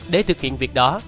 để thực hiện việc đó